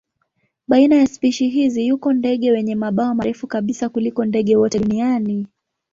Baina ya spishi hizi yuko ndege wenye mabawa marefu kabisa kuliko ndege wote duniani.